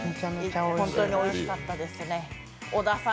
本当においしかったですね。